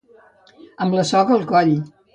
Amb la soga al coll.